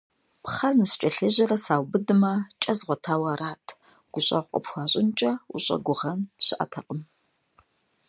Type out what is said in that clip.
Пхъэр ныскӀэлъежьэрэ саубыдмэ, кӀэ згъуэтауэ арат, гущӀэгъу къыпхуащӀынкӀэ ущӀэгугъэн щыӀэтэкъым.